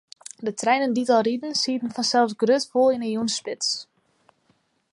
De treinen dy't ál rieden, sieten fansels grôtfol yn 'e jûnsspits.